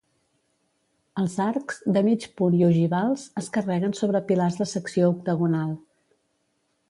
Els arcs, de mig punt i ogivals, es carreguen sobre pilars de secció octagonal.